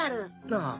ああ。